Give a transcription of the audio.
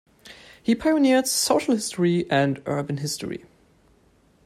He pioneered social history and urban history.